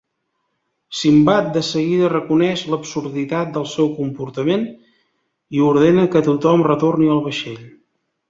Simbad de seguida reconeix l'absurditat del seu comportament i ordena que tothom retorni al vaixell.